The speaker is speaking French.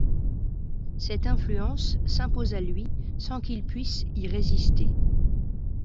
Cette influence s'impose à lui sans qu'il puisse y résister.